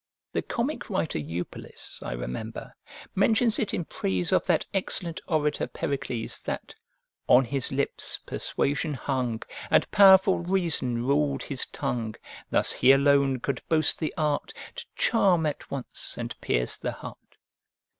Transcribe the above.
The comic writer Eupolis, I remember, mentions it in praise of that excellent orator Pericles, that "On his lips Persuasion hung, And powerful Reason rul'd his tongue: Thus he alone could boast the art To charm at once, and pierce the heart."